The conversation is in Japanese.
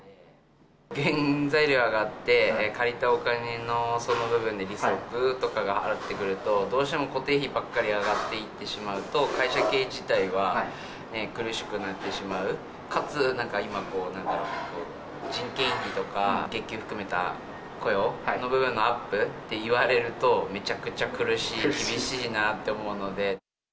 原材料上がって、借りたお金のその部分で利息とかが払ってくると、どうしても固定費ばっかり上がっていってしまうと、会社経営自体は苦しくなってしまう、かつなんか今、なんか人件費とか月給含めた雇用の部分のアップって言われると、めちゃくちゃ苦しい、厳しいなって思うので。